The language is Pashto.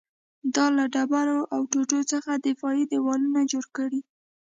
دا له ډبرو او ټوټو څخه دفاعي دېوالونه جوړ کړي